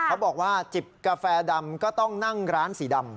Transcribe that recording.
เขาบอกว่าจิบกาแฟดำก็ต้องนั่งร้านสีดำ